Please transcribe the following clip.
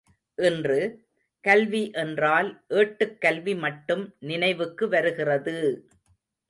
இன்று, கல்வி என்றால் ஏட்டுக் கல்வி மட்டும் நினைவுக்கு வருகிறது!